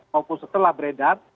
maupun setelah beredar